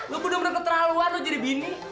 lu bunuh mereka terlaluan lu jadi bini